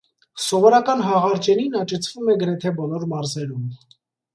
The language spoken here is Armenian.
Սովորական հաղարջենին աճեցվում է գրեթե բոլոր մարզերում։